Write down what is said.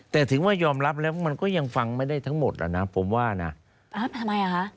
แต่ถึงว่ายอมรับแล้วมันก็ยังฟังไม่ได้ทั้งหมดอ่ะนะผมว่านะทำไมอ่ะคะ